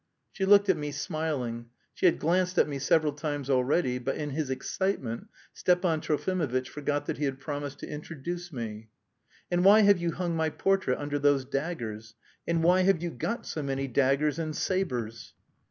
She looked at me, smiling; she had glanced at me several times already, but in his excitement Stepan Trofimovitch forgot that he had promised to introduce me. "And why have you hung my portrait under those daggers? And why have you got so many daggers and sabres?"